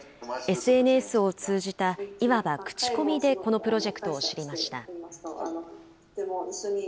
ＳＮＳを通じたいわば口コミで、このプロジェクトを知りました。